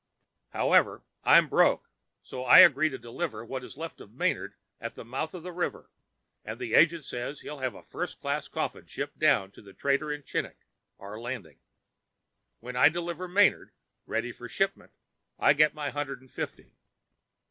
However, I'm broke, so I agree to deliver what is left of Manard at the mouth of the river, and the agent says he'll have a first class coffin shipped down to the trader at Chinik, our landing. When I deliver Manard, ready for shipment, I get my hundred and fifty.